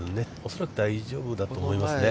恐らく大丈夫だと思いますね。